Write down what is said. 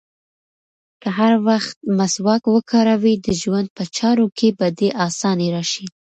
که هر وخت مسواک وکاروې، د ژوند په چارو کې به دې اساني راشي.